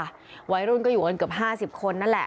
ในวัยรุ่นอยู่เกือน๕๐คน